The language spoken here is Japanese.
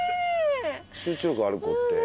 集中力ある子って。